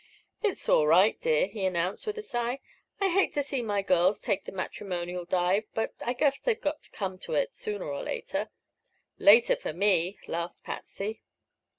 "It's all right, dear," he announced, with a sigh. "I hate to see my girls take the matrimonial dive, but I guess they've got to come to it, sooner or later." "Later, for me," laughed Patsy.